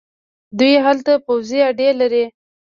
دوی هلته پوځي اډې لري.